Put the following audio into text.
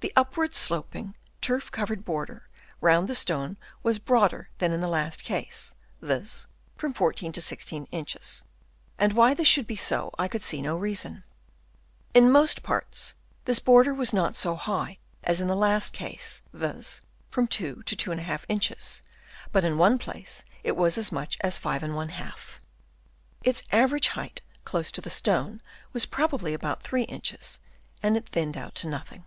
The up wardly sloping, turf covered border round the stone was broader than in the last case, viz., from 14 to 16 inches; and why this should be so, I could see no reason. In most parts this border was not so high as in the 156 GREAT STONES Chap. III. last case, viz., from 2 to 1\ inches, but in one place it was as much as 5^. Its average height close to the stone was probably about 3 inches, and it thinned out to nothing.